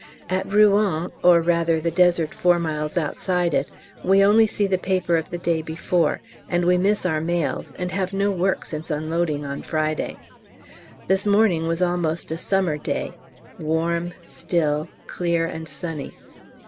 At Rouen, or rather the desert four miles outside it, we only see the paper of the day before, and we miss our mails, and have no work since unloading on Friday. This morning was almost a summer day, warm, still, clear and sunny.